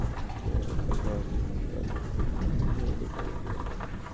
আমি বলব সেনাবাহিনী যদি টহলে থাকে তবে আমরা সুন্দরভাবে নির্বাচনটা করতে পারব।